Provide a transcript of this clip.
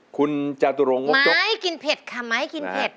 คุณจาตุรงมกจกไม้กินเผ็ดค่ะไม้กินเผ็ด